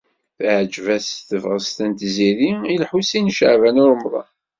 Teɛǧeb-as tebɣest n Tiziri i Lḥusin n Caɛban u Ṛemḍan.